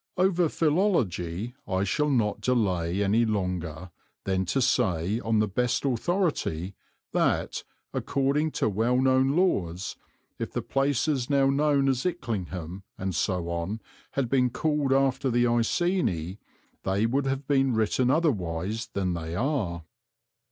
Over philology I shall not delay longer than to say, on the best authority, that, according to well known laws, if the places now known as Icklingham and so on had been called after the Iceni, they would have been written otherwise than they are.